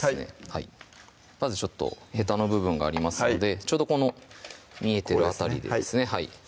はいまずヘタの部分がありますのでちょうどこの見えてる辺りでですね